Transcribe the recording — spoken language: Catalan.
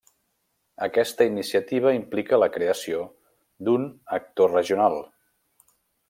Aquesta iniciativa implica la creació d'un actor regional.